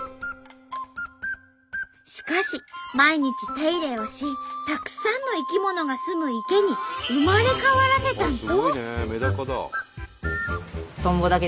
しかし毎日手入れをしたくさんの生き物がすむ池に生まれ変わらせたんと。